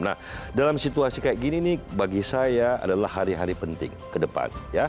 nah dalam situasi kayak gini nih bagi saya adalah hari hari penting ke depan